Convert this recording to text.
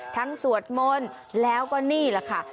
สวดมนต์แล้วก็นี่แหละค่ะ